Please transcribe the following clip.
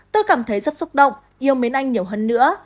tôi cảm thấy rất xúc động yêu mến anh nhiều hơn nữa